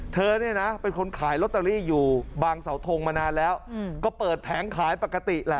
เธอเนี่ยนะเป็นคนขายลอตเตอรี่อยู่บางเสาทงมานานแล้วก็เปิดแผงขายปกติแหละ